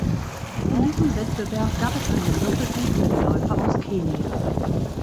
In diesem Wettbewerb gab es einen Doppelsieg für die Läufer aus Kenia.